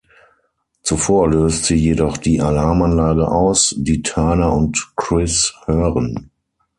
Zuvor löst sie jedoch die Alarmanlage aus, die Turner und Chris hören.